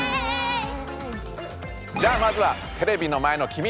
じゃあまずはテレビの前のきみ！